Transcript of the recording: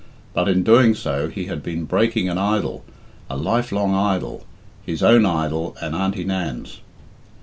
But in doing so he had been breaking an idol, a life long idol, his own idol and Auntie Nan's.